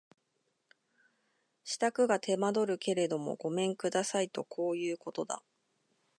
支度が手間取るけれどもごめん下さいとこういうことだ